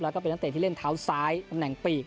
แล้วก็เป็นนักเตะที่เล่นเท้าซ้ายตำแหน่งปีก